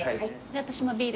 私もビール。